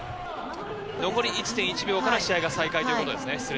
残り１．１秒から試合が再開ということですね。